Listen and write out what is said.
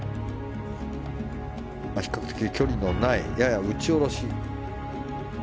比較的距離のないやや打ち下ろし。